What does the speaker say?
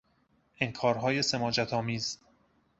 انکارهای سماجت آمیز